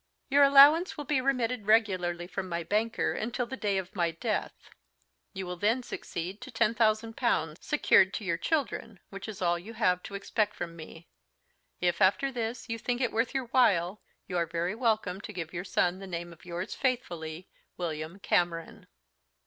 "Your allowance will be remitted regularly from my Banker until the day of my death; you will then succeed to ten thousand pounds, secured to your children, which is all you have to expect from me. If, after this, you think it worth your while, you are very welcome to give your son the name of yours faithfully, WILLIAM CAMERON."